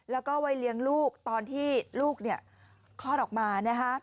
แล้วก็ไว้เลี้ยงลูกตอนที่ลูกคลอดออกมานะคะ